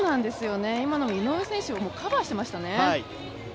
今の井上選手をカバーしていましたね。